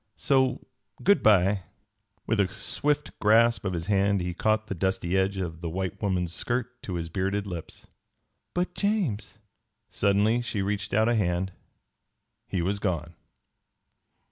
So good by." With a swift grasp of his hand he caught the dusty edge of the white woman's skirt to his bearded lips. "But, James " Suddenly she reached out a hand. He was gone.